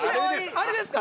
あれですか。